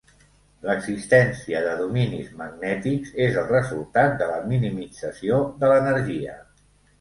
L'existència de dominis magnètics és el resultat de la minimització de l'energia.